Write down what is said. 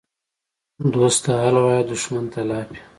دوست ته حال وایه، دښمن ته لاپې.